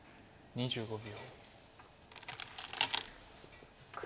２５秒。